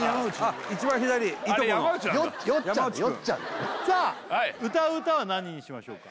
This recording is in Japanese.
あれ山内なんださあ歌う歌は何にしましょうか？